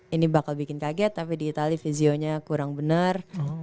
ini bakal bikin kaget tapi di itali vizionya kurang benar